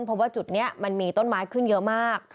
เพราะว่าจุดนี้มันมีต้นไม้ขึ้นเยอะมาก